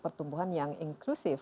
pertumbuhan yang inklusif